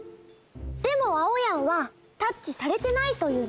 でもあおやんはタッチされてないというのね。